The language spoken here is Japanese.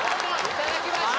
いただきました